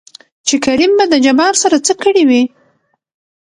چې کريم به د جبار سره څه کړې وي؟